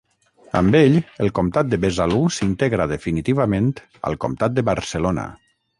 Amb ell, el comtat de Besalú s'integra definitivament al comtat de Barcelona.